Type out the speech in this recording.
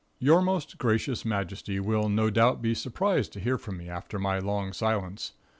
Your most gracious majesty will no doubt be surprised to hear from me after my long silence.